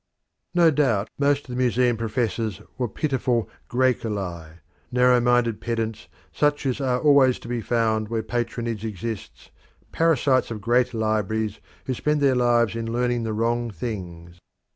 No doubt most of the Museum professors were pitiful "Graeculi" narrow minded pedants such as are always to be found where patronage exists, parasites of great libraries who spend their lives in learning the wrong things.